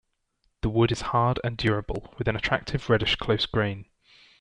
The wood is hard and durable, with an attractive, reddish, close grain.